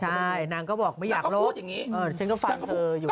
ใช่นางก็บอกไม่อยากรู้อย่างนี้ฉันก็ฟังเธออยู่